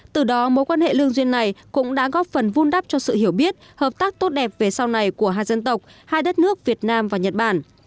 từ đó mối quan hệ lương duyên này cũng đã góp phần vun đắp cho sự hiểu biết hợp tác tốt đẹp về sau này của hai dân tộc hai đất nước việt nam và nhật bản